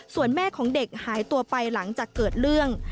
ส่วนแม่ของเด็กหายตัวไปหลังจากเกิดเรื่อง